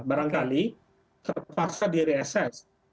barangkali terpaksa di reassess